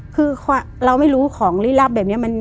คือเราไม่รู้ของลี้ลับแบบนี้